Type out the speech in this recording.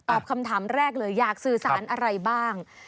คำถามแรกเลยอยากสื่อสารอะไรบ้าง